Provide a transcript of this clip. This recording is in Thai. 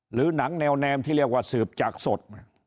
หรือหนังแนวแนมที่เรียกว่าสืบจากสด